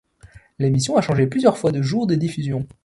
L'émission a changé plusieurs fois de jour de diffusion.